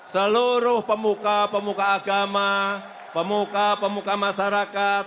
seluruh pemuka pemuka agama pemuka pemuka masyarakat